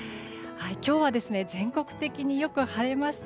今日は全国的によく晴れました。